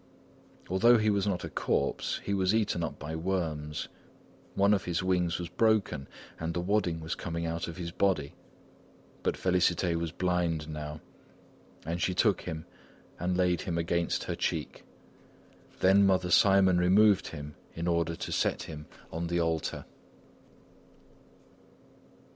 Although he was not a corpse, he was eaten up by worms; one of his wings was broken and the wadding was coming out of his body. But Félicité was blind now, and she took him and laid him against her cheek. Then Mother Simon removed him in order to set him on the altar.